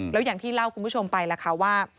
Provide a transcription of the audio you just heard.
แล้วอย่างที่เล่าคุณผู้ชมไปล่ะค่ะว่า